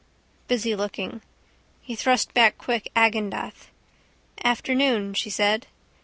Busy looking. He thrust back quick Agendath. Afternoon she said.